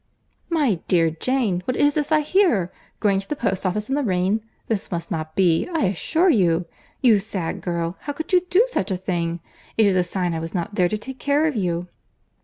"My dear Jane, what is this I hear?—Going to the post office in the rain!—This must not be, I assure you.—You sad girl, how could you do such a thing?—It is a sign I was not there to take care of you."